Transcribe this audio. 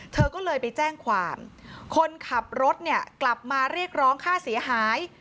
เธอก็เลยไปแจ้งความคนขับรถเนี่ยกลับมาเรียกร้องค่าเสียหาย